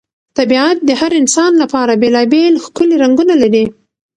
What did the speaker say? طبیعت د هر انسان لپاره بېلابېل ښکلي رنګونه لري.